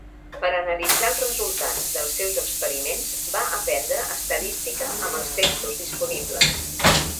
Per analitzar els resultats dels seus experiments, va aprendre estadística amb els textos disponibles.